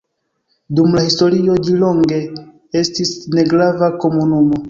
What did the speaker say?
Dum la historio ĝi longe estis negrava komunumo.